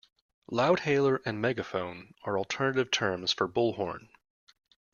Loudhailer and megaphone are alternative terms for bullhorn